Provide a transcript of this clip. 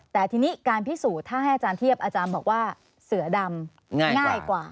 แต่ทีนี้การพิสูจน์ถ้าให้อาจารย์เทียบอาจารย์บอกว่าเสือดำง่ายกว่า